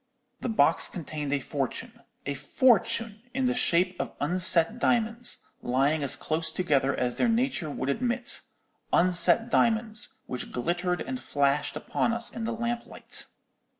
"The box contained a fortune—a fortune in the shape of unset diamonds, lying as close together as their nature would admit—unset diamonds, which glittered and flashed upon us in the lamplight.